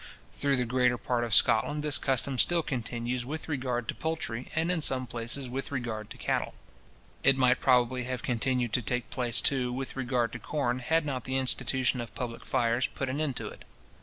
Through the greater part of Scotland this custom still continues with regard to poultry, and in some places with regard to cattle. It might probably have continued to take place, too, with regard to corn, had not the institution of the public fiars put an end to it.